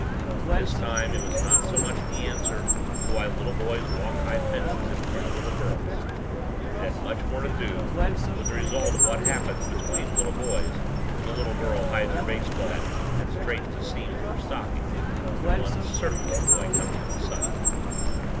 This time it was not so much the answer to why little boys walk high fences in front of little girls. It had much more to do with the result of what happens between little boys when the little girl hides her baseball bat and straightens the seams of her stockings when one certain little boy comes into sight.